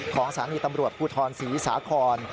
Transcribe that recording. ของส่านีตำรวจปูตธรรมศรีสาคร